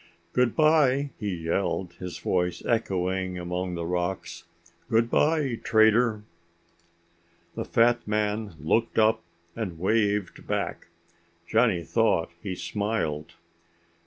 "Goodbye," he yelled, his voice echoing among the rocks. "Goodbye, Trader." The fat man looked up and waved back. Johnny thought he smiled.